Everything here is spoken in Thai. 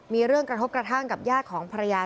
มีเรื่องกระทบกระทั่งกับญาติของภรรยา